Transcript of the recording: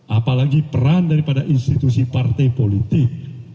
apalagi peran dari pada institusi partai politik